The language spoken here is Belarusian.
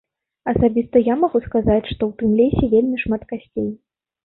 Асабіста я магу сказаць, што ў тым лесе вельмі шмат касцей.